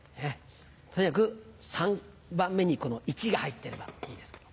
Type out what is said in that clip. とにかく３番目に「一」が入ってればいいですから。